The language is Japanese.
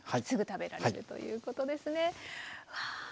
すぐ食べられるということですね。